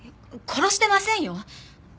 殺してませんよ。